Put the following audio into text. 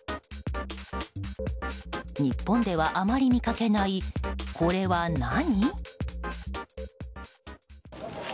日本ではあまり見かけないこれは、何？